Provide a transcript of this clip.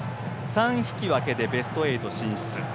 ３引き分けでベスト８進出。